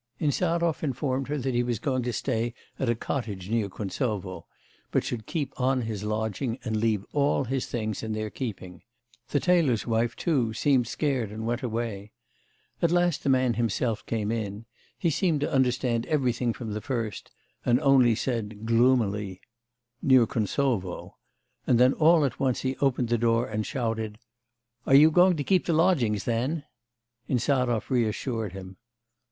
Insarov informed her that he was going to stay at a cottage near Kuntsovo, but should keep on his lodging and leave all his things in their keeping; the tailor's wife too seemed scared and went away. At last the man himself came in: he seemed to understand everything from the first, and only said gloomily: 'Near Kuntsovo?' then all at once he opened the door and shouted: 'Are you going to keep the lodgings then?' Insarov reassured him.